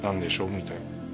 みたいな。